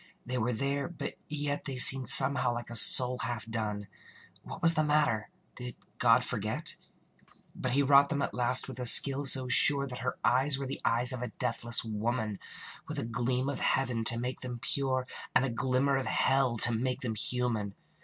They were there, but yet They seemed somehow like a soul half done. What was the matter? Did God forget? ... But he wrought them at last with a skill so sure That her eyes were the eyes of a deathless woman, With a gleam of heaven to make them pure, And a glimmer of hell to make them human.